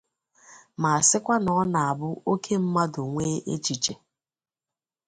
ma sịkwa na ọ na-abụ oke mmadụ nwee echichi